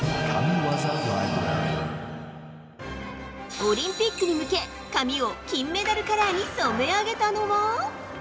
オリンピックに向け、髪を金メダルカラーに染め上げたのは。